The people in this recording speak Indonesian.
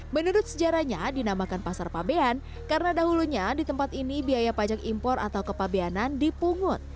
menurut sejarahnya dinamakan pasar fabian karena dahulunya di tempat ini biaya pajak impor atau kepabeanan dipungut